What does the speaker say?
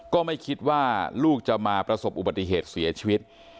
ก็ไม่คิดว่าลูกจะมาประสบอุบัติเหตุเสียชีวิต